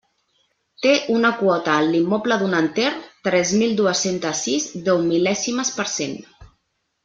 Té una quota en l'immoble d'un enter, tres mil dues-centes sis deumil·lèsimes per cent.